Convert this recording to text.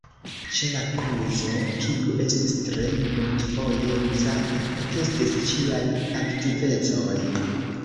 Ĉe la kluzo, kiu estis tre multfoje uzata, ekestis ĉiaj aktivecoj.